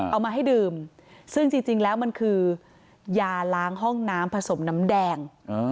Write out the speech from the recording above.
เอามาให้ดื่มซึ่งจริงแล้วมันคือยาล้างห้องน้ำผสมน้ำแดง